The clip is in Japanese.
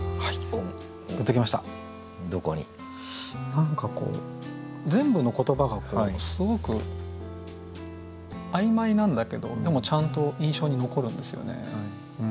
何かこう全部の言葉がすごく曖昧なんだけどでもちゃんと印象に残るんですよね。